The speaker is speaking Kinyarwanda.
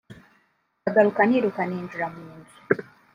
ndagaruka niruka ninjira mu nzu